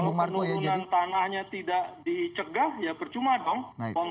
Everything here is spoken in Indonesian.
kalau penurunan tanahnya tidak dicegah ya percuma dong